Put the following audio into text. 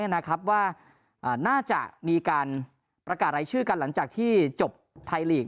ว่าน่าจะมีการประกาศรายชื่อกันหลังจากที่จบไทยลีก